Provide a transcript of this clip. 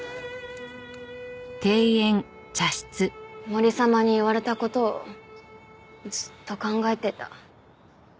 森様に言われた事をずっと考えてた。